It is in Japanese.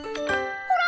ほら！